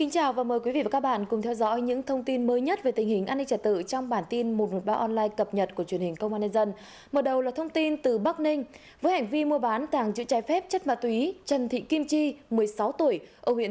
các bạn hãy đăng ký kênh để ủng hộ kênh của chúng mình nhé